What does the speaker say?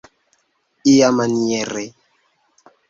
iamaniere